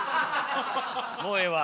もうええわ。